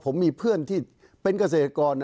ผมมีเพื่อนที่เป็นเกษตรกร